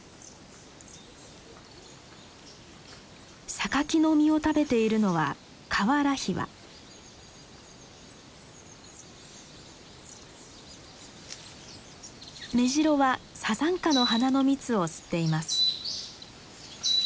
サカキの実を食べているのはメジロはサザンカの花の蜜を吸っています。